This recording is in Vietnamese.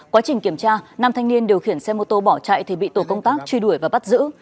quá trình kiểm tra nam thanh niên điều khiển xe mô tô bỏ chạy thì bị tổ công tác truy đuổi và bắt giữ